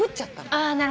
あなるほど。